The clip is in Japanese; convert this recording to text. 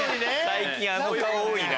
最近あの顔多いな。